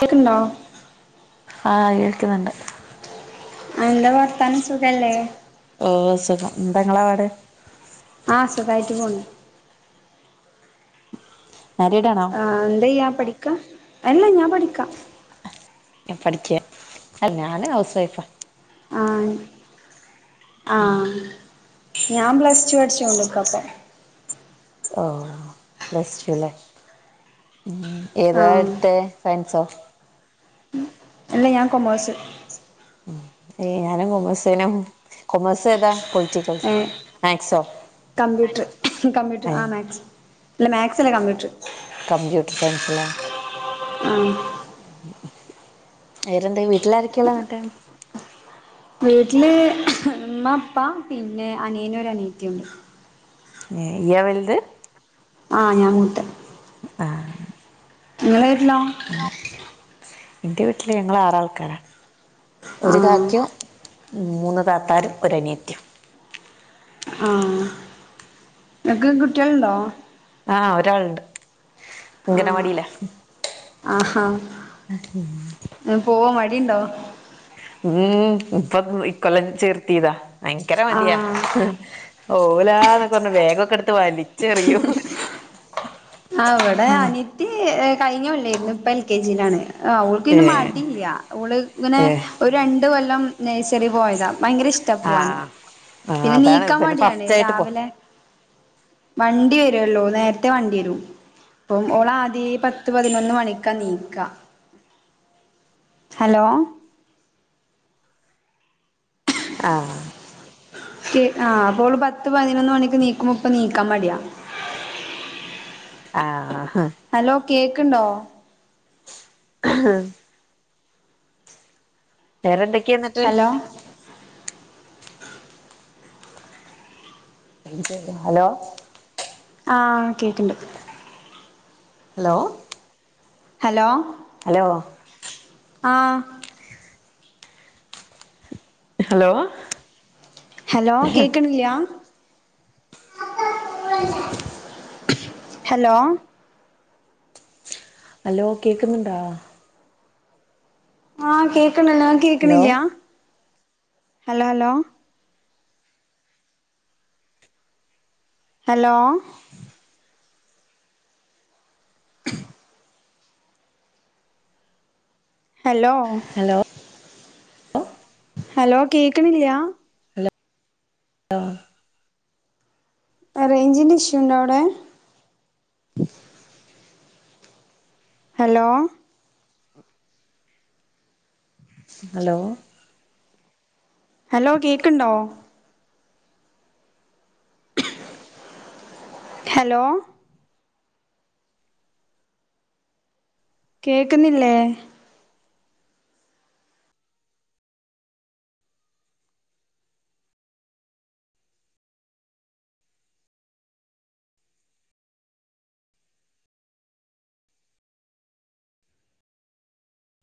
കേക്കണ്ടോ? ആ കേക്ക്ന്ന്ണ്ട്. എന്താ വർത്താനം സുഖല്ലേ? ഓ സുഖം. എന്താങ്ങളെ പാട്? ആഹ് സുഖായിട്ട് പോണ് മാരീഡ് ആണോ ആഹ് എന്തയ്യാ പഠിക്കാ? അല്ല ഞാൻ പഠിക്കാ. എ പഠിക്കാ. അ ഞാന് ഹൗസ് വൈഫാ. ആഹ് ആഹ് ഞാൻ പ്ലസ് ടു പഠിച്ചോണ്ട്ക്കാപ്പൊ. ഓഹ് പ്ലസ് ടു ല്ലേ? ഉം. ഏതാ ആഹ് എട്ത്തേ? സയൻ ച്ചാ. അല്ല ഞാൻ കൊമേഴ്സ് ഉം ഏഹ് ഞാനും കൊമേഴ്സേനും. കൊമേഴ്സേതാ? കൊമ് ഏഹ് കമ്പ്യൂട്ടർ കമ്പ്യൂട്ടർ ഏ ആ മാക്സ് ഇല്ല, മാത്സ് അല്ല, കമ്പ്യൂട്ടർ. കമ്പ്യൂട്ടർ സയൻസല്ലേ? ആ. ഇവരെന്താ വീട്ടിലാരക്കയാള്ളെന്നിട്ട്. വീട്ടില് ഇമ്മ ഇപ്പ പിന്നെ അനിയനു ഒരു അനിയത്തിയുണ്ട്. ഏഹ് ഇയ്യാ വല്ത്? ആഹ് ഞാൻ മൂത്തെ. ആ ഇങ്ങളെ വീട്ടിലോ? ഇന്റെ വീട്ടില് ഞങ്ങൾ ആറാൾക്കാരാണ്. ഒരു ആഹ് കാക്കയും മൂന്ന്, താത്താരും, ഒരഅനിയത്യം. നിനക്ക് കുട്ട്യേള്ണ്ടോ? ആഹ് ഒരാള്ണ്ട്. ആഹ് അങ്കനവാടീലാ. ആഹാ പോവാൻ മടിയുണ്ടോ? ഉം ഇപ്പൊ ഇക്കൊല്ലം ചേർത്തീതാ. ഭയങ്കര മടിയാ ആഹ് ഓല, എന്നൊക്കെ, പററഞ്ഞു, വേഗൊക്കെ, എടുത്ത്, വലിച്ചെറിയു ആ ഇവിടെ അനിയത്തി കഴിഞ്ഞേ ഉള്ളേര്ന്നു. ഇപ്പൊ എൽ കെ ജി യിലാണ്. ആ, ഏ അവൾക്കിന്നെ, മടിയില്ല, അവള്, ഇങ്ങനെ, ഏ ഒരു രണ്ട് കൊല്ലം, നേഴ്ച്ചറി, പോയതാ ഭയങ്കര, ഇഷ്ടാ പോവാന്, ആഹ് ആ പിന്നെ, അതാണ് നീക്കാൻ, ഇവന് മടിയാണ്, ഫസ്റ്റ് ആയിട്ട് പോ രാവിലെ വണ്ടി, വരുല്ലോ, നേരത്തെ, വണ്ടി, വരും. അപ്പം ഓളാദ്യേ പത്ത് പതിനൊന്ന് മണിക്കാ ണീക്കാ. ഹലോ. ആഹ്. ക്ക്. ആ അപ്പോള് പത്ത് പതിനൊന്ന് മണിക്ക് എണീക്കുമ്പോ ഇപ്പണീക്കാൻ മടിയാ. ആഹ് ഹലോ കേക്ക്ണ്ടോ? ആഹ വേറെന്തൊക്കെയ, എന്നിട്ട്? ആഹ ഹലോ ആഹ് കേക്കിണ്ട്. ഹലോ. ഹലോ ഹലോ ആ ഹലോ ഹലോ കേക്ക്‌ണില്ലാ ഹലോ അലോ കേക്ക്‌ന്ന്ണ്ടാ ആ കേക്ക്‌ണ്ടല്ലോ ഹലോ ങ്ങക്കേക്ണില്ലാ hello hello hello hello hello hello കേക്ക്‌ണില്ലാ [unintelligible] റെയ്ഞ്ചിന്റെ ഇഷ്യുണ്ടവ്ടെ ഹലോ ഹലോ ഹലോ കേക്ക്‌ണ്ടോ ഹലോ കേക്ക്‌ന്നില്ലേ